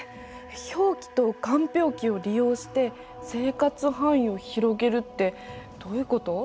氷期と間氷期を利用して生活範囲を広げるってどういうこと？